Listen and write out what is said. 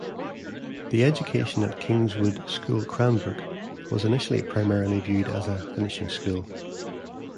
The education at Kingswood School Cranbrook was initially primarily viewed as a "finishing school".